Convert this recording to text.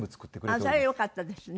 それはよかったですね。